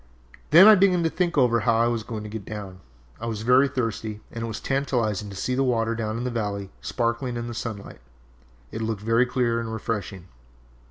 "Then I began to think over how I was going to get down. I was very thirsty and it was tantalizing to see the water down in the valley sparkling in the sunlight. It looked very clear and refreshing.